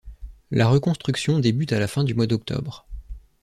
La reconstruction débute à la fin du mois d'octobre.